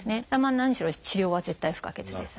何しろ治療は絶対不可欠です。